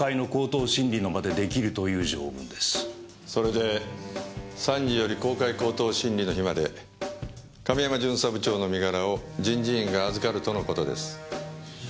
それで３時より公開口頭審理の日まで亀山巡査部長の身柄を人事院が預かるとの事です。